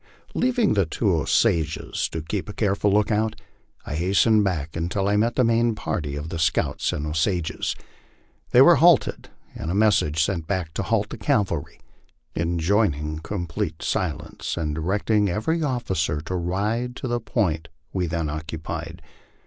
Leaving the two Osages to keep a careful lookout, I hastened back until I met the main party of the scouts and Osages. They were halted and a mes sage sent back to halt the cavahy, enjoining complete silence, and directing every officer to ride to the point we then occupied.